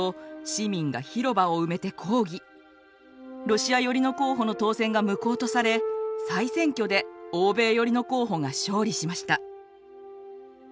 ロシア寄りの候補の当選が無効とされ再選挙で欧米寄りの候補が勝利しました。